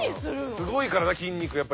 すごいからな筋肉やっぱ